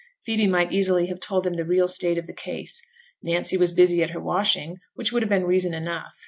Phoebe might easily have told him the real state of the case; Nancy was busy at her washing, which would have been reason enough.